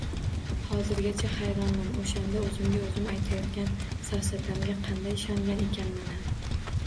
Hozirgacha hayronman, o’shanda o’zimga o’zim aytayotgan safsatamga qanday ishongan ekanman-a